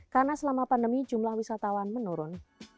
karena selama pandemi jumlah wisatawan menurun